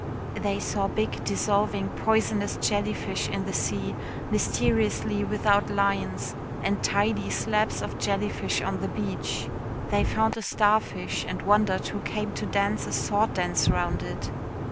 They saw big, dissolving, poisonous jellyfish in the sea, mysteriously without lines and tidy slabs of jellyfish on the beach. They found a starfish, and wondered who came to dance a sword dance round it.